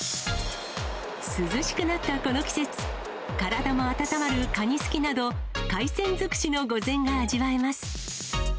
涼しくなったこの季節、体も温まるカニすきなど、海鮮尽くしの御膳が味わえます。